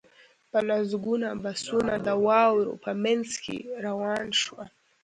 په لسګونه بسونه د واورو په منځ کې روان شول